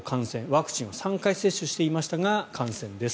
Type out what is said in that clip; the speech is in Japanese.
ワクチンを３回接種していましたが感染。